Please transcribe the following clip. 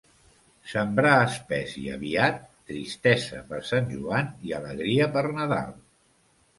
Sembrar espès i aviat, tristesa per Sant Joan i alegria per Nadal.